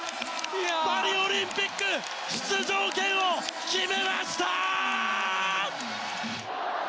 パリオリンピック出場権を決めました！